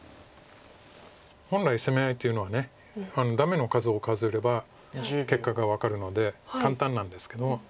本来攻め合いというのはダメの数を数えれば結果が分かるので簡単なんですけども。